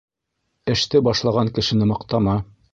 Эште башлаған кешене маҡтама